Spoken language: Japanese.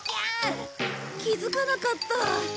気づかなかった。